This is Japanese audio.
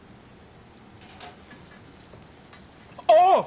ああ！